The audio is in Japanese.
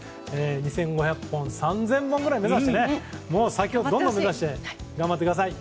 ２５００本や３０００本くらいまで目指して先を目指して頑張ってください！